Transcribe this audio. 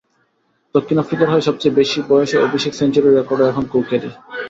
দক্ষিণ আফ্রিকার হয়ে সবচেয়ে বেশি বয়সে অভিষেক সেঞ্চুরির রেকর্ডও এখন কুকেরই।